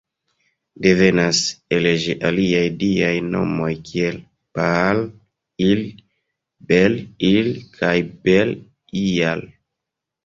Devenas el ĝi aliaj diaj nomoj kiel "Baal-il", "Bel-il", kaj "Bel-ial".